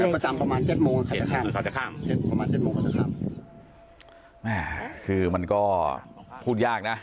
ประจำประมาณ๗โมงเขาจะข้ามประมาณ๗โมงเขาจะข้ามคือมันก็พูดยากนะ